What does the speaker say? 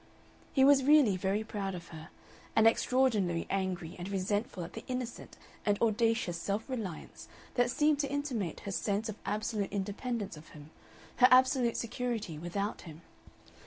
He was really very proud of her, and extraordinarily angry and resentful at the innocent and audacious self reliance that seemed to intimate her sense of absolute independence of him, her absolute security without him.